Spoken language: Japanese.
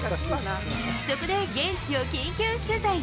そこで現地を緊急取材。